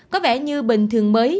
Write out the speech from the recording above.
có vẻ như bình thường mới